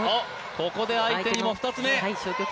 ここで相手にも２つ目。